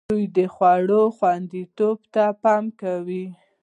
دوی د خوړو خوندیتوب ته پام کوي.